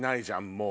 もう。